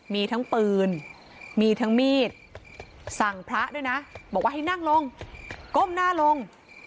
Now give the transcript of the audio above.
มีทั้งปืนมีทั้งมีดสั่งพระด้วยนะบอกว่าให้นั่งลงก้มหน้าลง